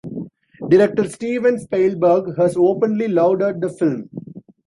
Director Steven Spielberg has openly lauded the film.